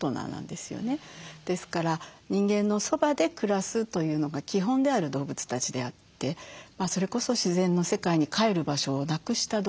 ですから人間のそばで暮らすというのが基本である動物たちであってそれこそ自然の世界にかえる場所をなくした動物なんです。